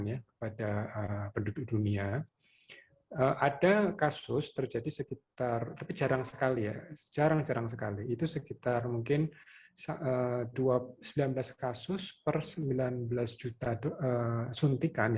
ya kepada penduduk dunia ada kasus terjadi sekitar tapi jarang sekali ya jarang jarang sekali itu sekitar mungkin sembilan belas kasus per sembilan belas juta suntikan